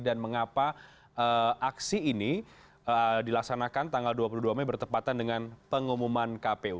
dan mengapa aksi ini dilaksanakan tanggal dua puluh dua mei bertepatan dengan pengumuman kpu